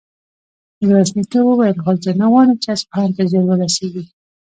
ميرويس نيکه وويل: خو زه نه غواړم چې اصفهان ته ژر ورسېږي.